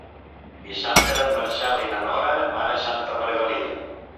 Dissabte en Marcel i na Nora van a Santa Margalida.